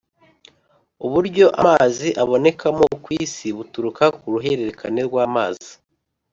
uburyo amazi abonekamo ku isi buturuka ku ruhererekane rw’amazi.